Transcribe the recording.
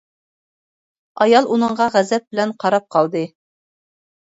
ئايال ئۇنىڭغا غەزەپ بىلەن قاراپ قالدى.